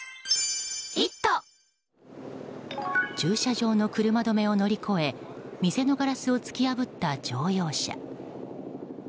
駐車場の車止めを乗り越え店のガラスを突き破った乗用車。